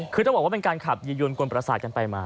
คือต้องบอกว่าเป็นการขับยียวนกวนประสาทกันไปมา